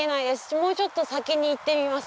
もうちょっと先に行ってみます。